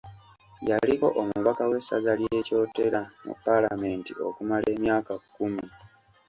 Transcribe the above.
Yaliko omubaka w’essaza ly’e Kyotera mu Palamenti okumala emyaka kkumi.